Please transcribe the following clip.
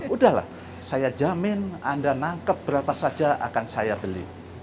udah lah saya jamin anda nangkap berapa saja akan saya beli